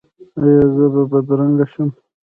ایا زه به بدرنګه شم؟